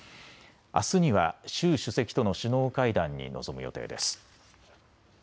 あすには習主席との首脳会談に臨む予定です。